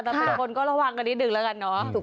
แต่แต่ละคนก็ระวังกันนิดหนึ่งแล้วกันเนาะ